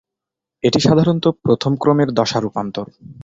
এটি সাধারণত প্রথম ক্রমের দশা রূপান্তর।